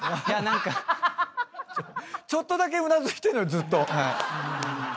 ちょっとだけうなずいてんのよずっと。